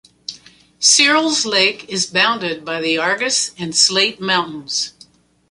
Searles Lake is bounded by the Argus and Slate Mountains.